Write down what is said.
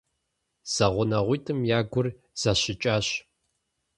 ЗэгъунэгъуитӀым я гур зэщыкӀащ.